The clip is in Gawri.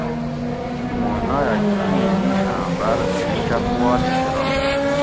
موں نایٔک ایں میشاۤں بۤر چپ والی کرانت